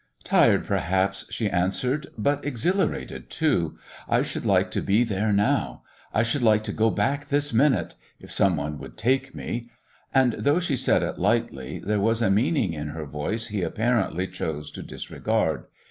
"Tired, perhaps," she answered, "but exhilarated too. I should like to be there now. I should like to go back this minute if some one would take me." And, though she said it lightly, there was a meaning in her voice he apparently chose to disregard.